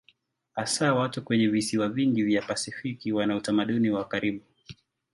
Hasa watu kwenye visiwa vingi vya Pasifiki wana utamaduni wa karibu.